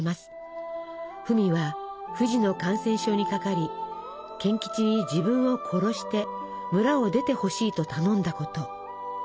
フミは不治の感染症にかかり賢吉に自分を殺して村を出てほしいと頼んだこと。